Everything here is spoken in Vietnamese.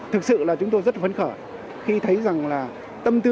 thực sự là chúng tôi rất phấn khởi khi thấy rằng là tâm tư